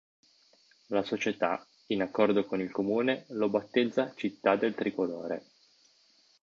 La società, in accordo con il Comune, lo battezza Città del tricolore.